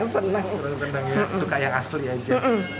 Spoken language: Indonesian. kurang senang ya suka yang asli aja